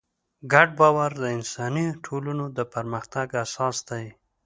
ګډ باور د انساني ټولنو د پرمختګ اساس دی.